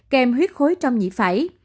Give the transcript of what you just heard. kèm huyết khối trong nhĩa phải